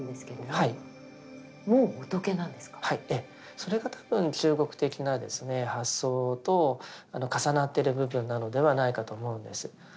それが多分中国的な発想と重なってる部分なのではないかと思うんです。